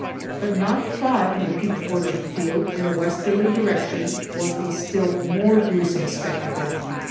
But not far from the Peach Orchard field, in a westerly direction, was a still more gruesome spectacle.